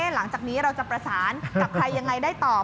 หลังจากนี้เราจะประสานกับใครยังไงได้ต่อ